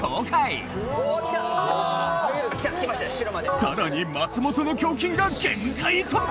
・さらに松本の胸筋が限界突破！